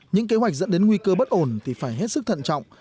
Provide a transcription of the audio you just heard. những kế hoạch dẫn đến nguy cơ bất ổn thì phải hết sức thận trọng